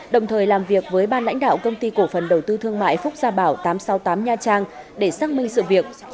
đồng thời làm việc với ban lãnh đạo công ty cổ phần đầu tư thương mại phúc gia bảo tám trăm sáu mươi tám nha trang để xác minh sự việc